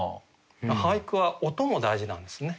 俳句は音も大事なんですね。